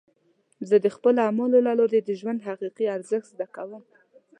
زه د خپلو اعمالو له لارې د ژوند حقیقي ارزښت زده کوم.